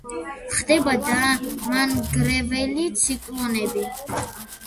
ხდება დამანგრეველი ციკლონები.